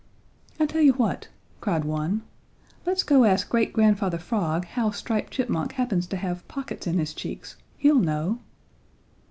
"I tell you what," cried one, "let's go ask Great Grandfather Frog how Striped Chipmunk happens to have pockets in his cheeks. He'll know."